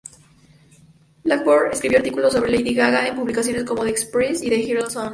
Blackburn escribió artículos sobre "Lady Gaga" en publicaciones como "The Express" y "Herald Sun".